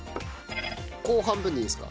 こう半分でいいですか？